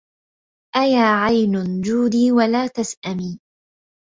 أيا عين جودي ولا تسأمي